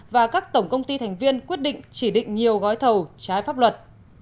và các tổng công ty thành viên quyết định chỉ định nhiều gói thầu trái pháp luật